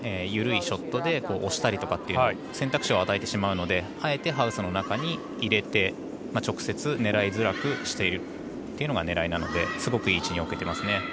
緩いショットで押したりとかという選択肢を与えてしまうのであえてハウスの中に入れて直接狙いづらくしているというのが狙いなのですごくいい位置に置けてますね。